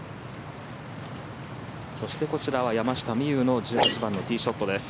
そしてこちらは山下美夢有の１８番のティーショットです。